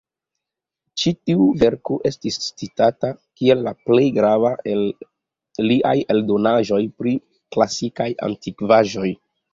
Ĉi-tiu verko estis citata kiel la plej grava el liaj eldonaĵoj pri klasikaj antikvaĵoj.